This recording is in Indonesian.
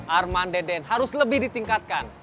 armandeden harus lebih ditingkatkan